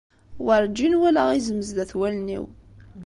Werǧin walaɣ izem sdat n wallen-iw.